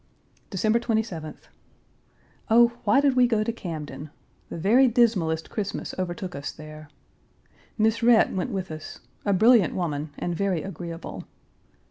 December 27th. Oh, why did we go to Camden? The very dismalest Christmas overtook us there. Miss Rhett went with us a brilliant woman and very agreeable.